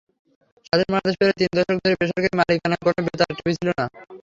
স্বাধীন বাংলাদেশে প্রায় তিন দশক ধরে বেসরকারি মালিকানায় কোনো বেতার-টিভি ছিল না।